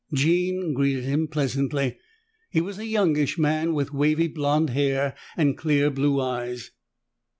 Jean greeted him pleasantly. He was a youngish man with wavy blond hair and clear blue eyes.